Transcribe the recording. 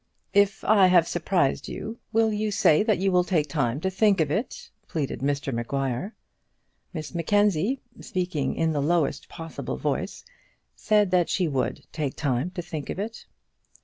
"If I have surprised you, will you say that you will take time to think of it?" pleaded Mr Maguire. Miss Mackenzie, speaking in the lowest possible voice, said that she would take time to think of it.